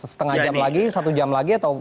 setengah jam lagi satu jam lagi atau